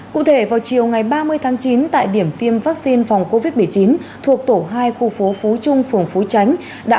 cụ thể vào chiều ngày ba mươi tháng chín tại điểm tiêm vaccine phòng covid một mươi chín thuộc tổ hai khu phố phú trung phường phú tránh